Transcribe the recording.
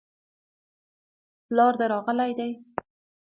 پلار دي راغلی دی؟